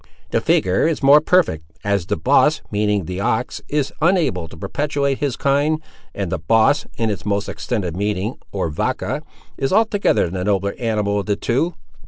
"The figure is more perfect; as the bos, meaning the ox, is unable to perpetuate his kind; and the bos, in its most extended meaning, or vacca, is altogether the nobler animal of the two."